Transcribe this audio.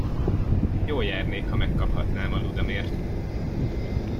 Jól járnék, ha megkaphatnám a ludamért!